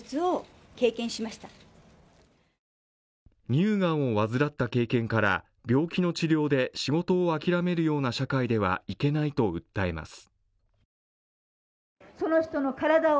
乳がんを患った経験から病気の治療で諦めるような社会ではいけないと訴えます。